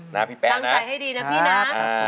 ตั้งใจให้ดีนะพี่นะ